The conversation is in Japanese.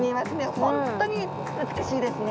本当に美しいですね。